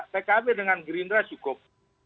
pkb dengan gerindra cukup